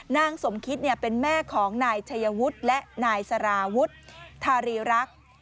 นางสมคิตเป็นแม่ของนายชัยวุฒิและนายสาราวุฒิธารีรักษ์